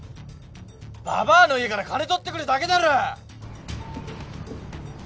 ばばあの家から金取ってくるだけだろ！